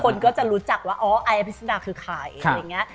คนก็จะรู้จักว่าอ๋อไอ้อภิษณาคือใคร